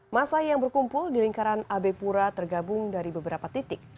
masa yang berkumpul di lingkaran ab pura tergabung dari beberapa titik